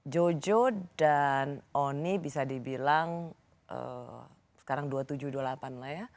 jojo dan oni bisa dibilang sekarang dua puluh tujuh dua puluh delapan lah ya